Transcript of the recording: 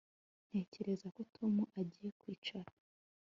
Ntekereza ko Tom agiye kwicara